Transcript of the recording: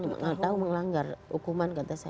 enggak tahu mengelanggar hukuman kata saya